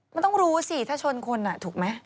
มันต้องรู้สิถ้าชนคนถูกไหม